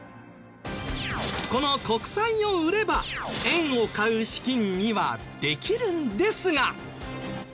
この国債を売れば円を買う資金にはできるんですが。